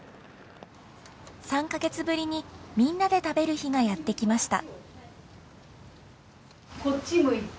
３か月ぶりにみんなで食べる日がやってきました。